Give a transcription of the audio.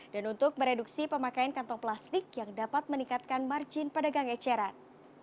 dan untuk mereduksi pemakaian kantong plastik yang dapat meningkatkan margin pedagang eceran